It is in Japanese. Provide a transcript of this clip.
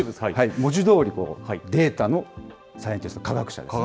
文字どおり、データのサイエンティスト、科学者ですね。